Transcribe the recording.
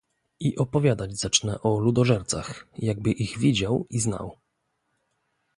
"I opowiadać zaczyna o ludożercach, jakby ich widział i znał."